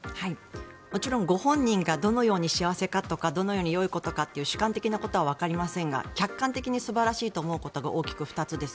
もちろんご本人がどのように幸せかとかどのようによいことかという主観的なことはわかりませんが客観的に素晴らしいと思うことが大きく２つです。